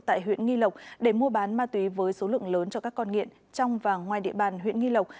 tại huyện nghi lộc để mua bán ma túy với số lượng lớn cho các con nghiện trong và ngoài địa bàn huyện nghi lộc